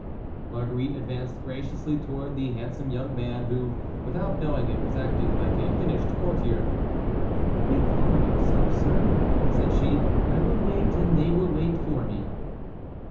Marguerite advanced graciously toward the handsome young man, who, without knowing it, was acting like a finished courtier. "Recover yourself, sir," said she; "I will wait and they will wait for me."